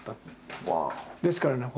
ですからね